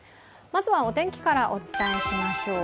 まずは、お天気からお伝えしましょう。